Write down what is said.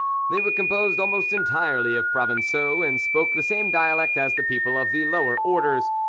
They were composed almost entirely of Provenceaux, and spoke the same dialect as the people of the lower orders.